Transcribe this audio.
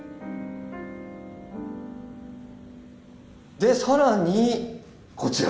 で更にこちら。